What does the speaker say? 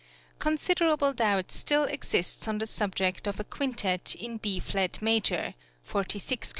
Considerable doubt still exists on the subject of a quintet, in B flat major (46 K.)